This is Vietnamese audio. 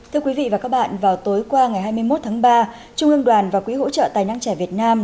thưa quý vị và các bạn vào tối qua ngày hai mươi một tháng ba trung ương đoàn và quỹ hỗ trợ tài năng trẻ việt nam